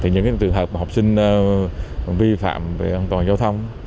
những trường hợp học sinh vi phạm về an toàn giao thông